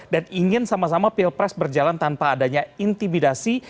dan ingin sama sama pilpres berjalan tanpa adanya intimidasi